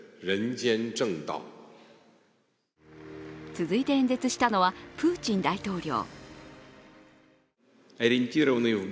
続いて演説したのはプーチン大統領。